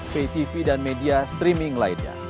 ktv dan media streaming lainnya